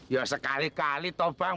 ya sekali kali tau bang